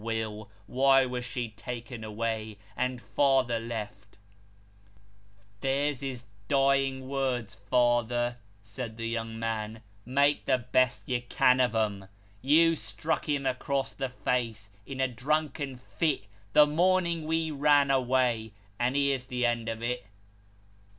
Will, why was she taken away, and father left ?' There's his dying words, father," said the young man ;" make the best you can of 'em. You struck him across the face, in a drunken fit, the morning we ran away ; and here's the end of it."